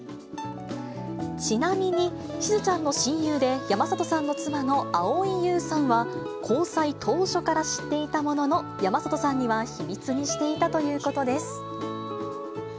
ちなみに、しずちゃんの親友で山里さんの妻の蒼井優さんは、交際当初から知っていたものの、山里さんには秘密にしていたということです。